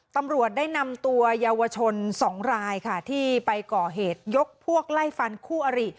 ตำรวจได้นำตัวเยาวชน๒รายค่ะที่ไปก่อเหตุยกพวกไล่ฟันคู่อริ